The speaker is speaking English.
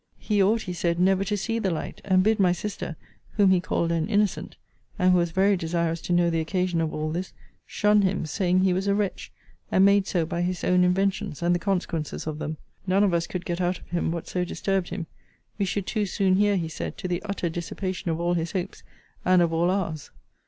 He ought, he said, never to see the light; and bid my sister, whom he called an innocent, (and who was very desirous to know the occasion of all this,) shun him, saying, he was a wretch, and made so by his own inventions, and the consequences of them. None of us could get out of him what so disturbed him. We should too soon hear, he said, to the utter dissipation of all his hopes, and of all ours.